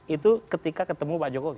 itu ketika ketemu pak jokowi